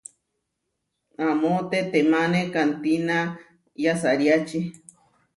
Amó tetémane kantína yasariáči.